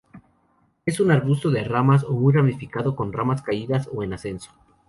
Es un arbusto de ramas muy ramificado, con ramas caídas o en ascenso.